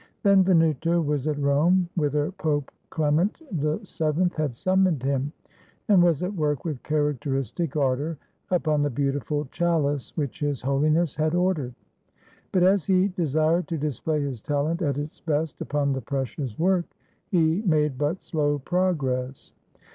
Benvenuto was at Rome, whither Pope Clement VII 64 BENVENUTO CELLINI had summoned him, and was at work with characteristic ardor upon the beautiful chalice which his Holiness had ordered; but as he desired to display his talent at its best upon the precious work, he made but slow progress.